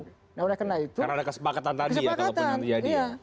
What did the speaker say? karena ada kesepakatan tadi ya